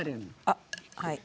あっはい。